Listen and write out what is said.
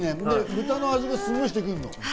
豚の味がしっかりしてくるの。